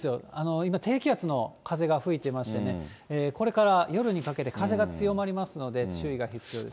今、低気圧の風が吹いていましてね、これから夜にかけて風が強まりますので、注意が必要です。